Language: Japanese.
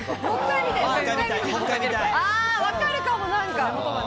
分かるかも。